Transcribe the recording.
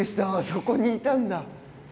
そこにいたんだ。